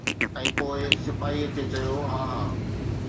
۽ پوءِ سپاهيءَ کي چيو ”ها ها.